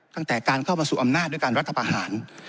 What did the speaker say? ตั้งแต่การเข้ามาสู่อำนาจด้วยการรัฐประหาร